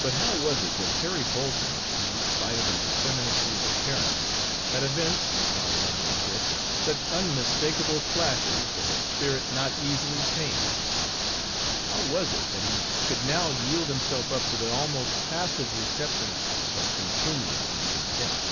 But how was it that Harry Bolton, who spite of his effeminacy of appearance, had evinced, in our London trip, such unmistakable flashes of a spirit not easily tamed—how was it, that he could now yield himself up to the almost passive reception of contumely and contempt?